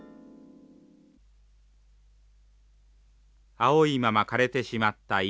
青いまま枯れてしまった稲。